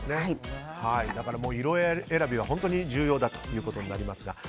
だから色選びは本当に重要だということになりますが。